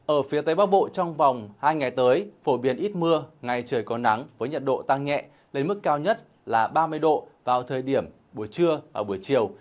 ở phía tây bắc bộ trong vòng hai ngày tới phổ biến ít mưa ngày trời có nắng với nhiệt độ tăng nhẹ lên mức cao nhất là ba mươi độ vào thời điểm buổi trưa và buổi chiều